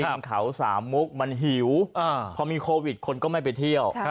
บนเขาสามมุกมันหิวพอมีโควิดคนก็ไม่ไปเที่ยว